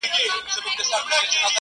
o ژړا، سلگۍ زما د ژوند د تسلسل نښه ده،